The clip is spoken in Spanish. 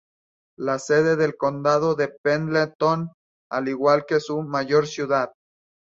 La sede del condado es Pendleton, al igual que su mayor ciudad.